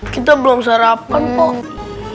kita belum sarapan mbak